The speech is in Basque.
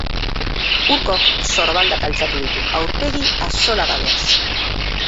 Urkok sorbaldak altxatu ditu, aurpegi axolagabeaz.